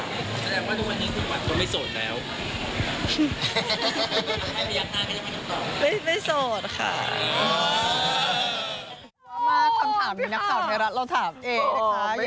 แสดงว่าทุกวันนี้คือคนไม่โสดแล้ว